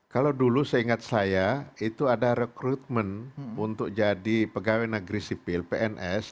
kalau dulu seingat saya itu ada rekrutmen untuk jadi pegawai negeri sipil pns